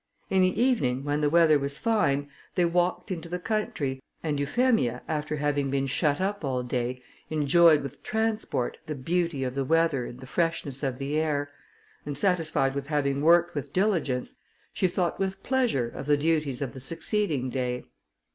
In the evening, when the weather was fine, they walked into the country, and Euphemia, after having been shut up all day, enjoyed with transport the beauty of the weather and the freshness of the air; and, satisfied with having worked with diligence, she thought with pleasure of the duties of the succeeding day.